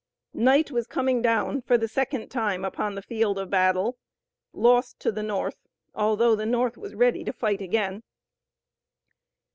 Night was coming down for the second time upon the field of battle, lost to the North, although the North was ready to fight again.